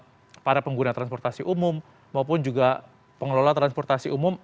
kepada para pengguna transportasi umum maupun juga pengelola transportasi umum